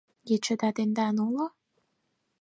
— Ечыда тендан уло?